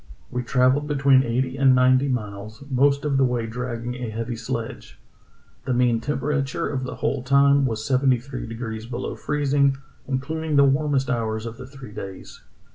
We travelled between eighty and ninety miles, most of the way dragging a heavy sledge. The mean temperature of the whole time was seventy three degrees below freezing, including the warmest hours of the three days.